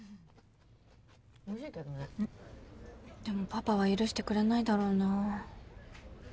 でもパパは許してくれないだろうな。